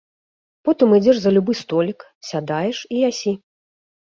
Потым ідзеш за любы столік, сядаеш і ясі.